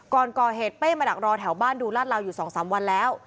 ก่อนก่อเหตุเป้มาดักรอแถวบ้านดูลาดลาวอยู่๒๓วันแล้ว